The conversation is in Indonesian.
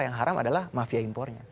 yang haram adalah mafia impornya